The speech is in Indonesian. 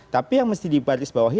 tapi yang mesti dibarisbawahi